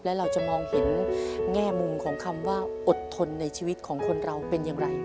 และเราจะมองเห็นแง่มุมของคำว่าอดทนในชีวิตของคนเราเป็นอย่างไร